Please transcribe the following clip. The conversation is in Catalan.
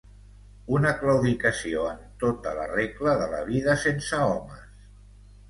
Una claudicació en tota la regla de la vida sense homes.